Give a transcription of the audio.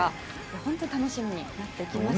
本当に楽しみになってきましたね。